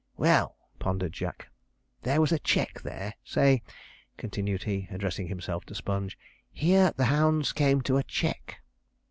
'Well,' pondered Jack, 'there was a check there. Say,' continued he, addressing himself to Sponge, '"Here the hounds came to a check."'